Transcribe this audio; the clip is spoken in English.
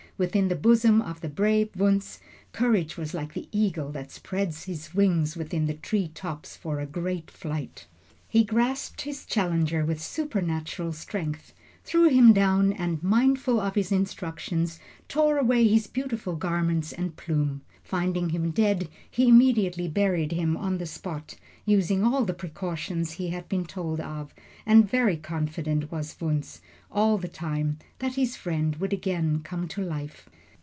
Within the bosom of the brave Wunzh courage was like the eagle that spreads his wings within the tree top for a great flight. He grasped his challenger with supernatural strength, threw him down, and, mindful of his instructions, tore away his beautiful garments and plume. Finding him dead, he immediately buried him on the spot, using all the precautions he had been told of, and very confident was Wunzh, all the time, that his friend would again come to life.